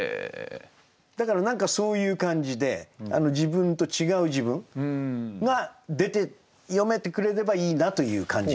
だから何かそういう感じで自分と違う自分が出て読めてくれればいいなという感じがしました。